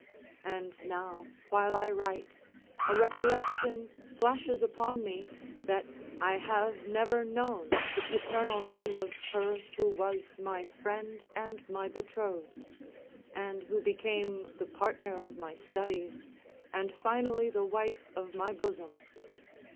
And now, while I write, a recollection flashes upon me that I have never known the paternal name of her who was my friend and my betrothed, and who became the partner of my studies, and finally the wife of my bosom.